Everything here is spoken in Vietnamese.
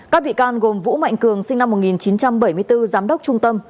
các bị can gồm vũ mạnh cường sinh năm một nghìn chín trăm bảy mươi bốn giám đốc trung tâm